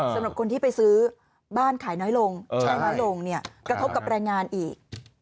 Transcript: สำหรับคนที่ไปซื้อบ้านขายน้อยลงใช้น้อยลงเนี่ยกระทบกับแรงงานอีก